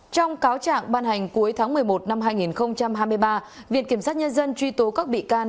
trong cáo trạng ban hành cuối tháng một mươi một năm hai nghìn hai mươi ba viện kiểm sát nhân dân truy tố các bị can